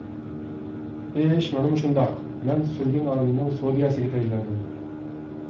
-ئىش مانا مۇشۇنداق، مەن سۈرگۈن ئارىلىنىڭ سودىيەسىگە تەيىنلەندىم.